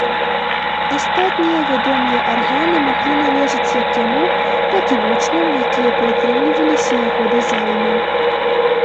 Астатнія вядомыя арганы маглі належаць як яму, так і вучням, якія прытрымліваліся яго дызайну.